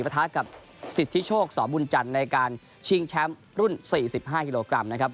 ประทะกับสิทธิโชคสบุญจันทร์ในการชิงแชมป์รุ่น๔๕กิโลกรัมนะครับ